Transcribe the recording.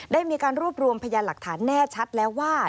ได้มีการรวบรวมพยานหลักฐานแน่ชัดแล้วว่า